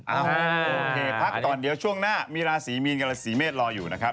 โอเคพักก่อนเดี๋ยวช่วงหน้ามีราศีมีนกับราศีเมษรออยู่นะครับ